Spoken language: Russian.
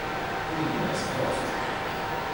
Филогенез прост.